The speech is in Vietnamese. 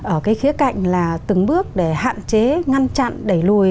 ở cái khía cạnh là từng bước để hạn chế ngăn chặn đẩy lùi